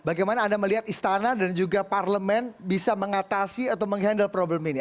bagaimana anda melihat istana dan juga parlemen bisa mengatasi atau menghandle problem ini